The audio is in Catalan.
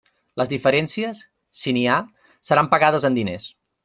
Les diferències, si n'hi ha, seran pagades en diners.